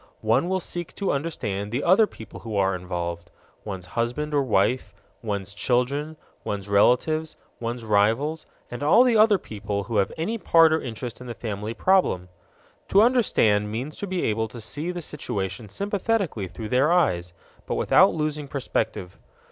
One will seek to understand the other people who are involved: one's husband or wife, one's children, one's relatives, one's rivals, and all the other people who have any part or interest in the family problem. To understand means to be able to see the situation sympathetically through their eyes, but without losing perspective.